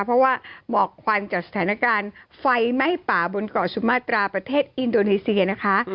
เพราะว่าหมอกควันจากสถานการณ์ไฟไหม้ป่าบนเกาะสุมาตราประเทศอินโดนีเซียนะคะ